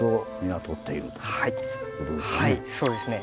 はいそうですね。